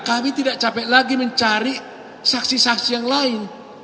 kami tidak capek lagi mencari saksi saksi yang lain